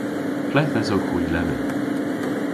Ple'th esowgh hwi lemmyn?